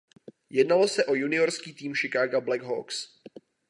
Jednalo se o juniorský tým Chicaga Black Hawks.